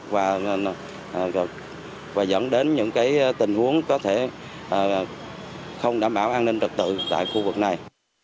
và dẫn đến những tình huống có thể không đảm bảo an ninh trật tự tại khu vực này